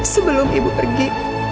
sebelum ibu pergi